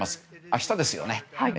明日ですよね。